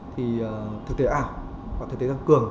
thì thực tế ảo và thực tế tăng cường